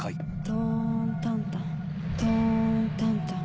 トーンタンタントーンタンタン。